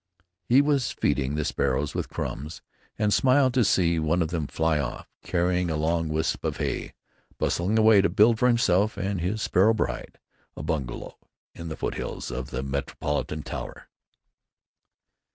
He was feeding the sparrows with crumbs and smiled to see one of them fly off, carrying a long wisp of hay, bustling away to build for himself and his sparrow bride a bungalow in the foot hills of the Metropolitan Tower.